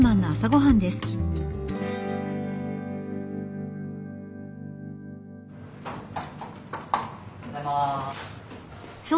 おはようございます。